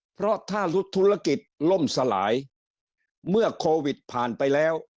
เพราะถ้าธุรกิจล่มสลายเมื่อโควิดผ่านไปแล้ว